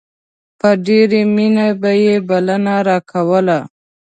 په ډېرې مينې به يې بلنه راکوله.